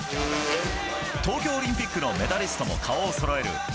東京オリンピックのメダリストも顔をそろえる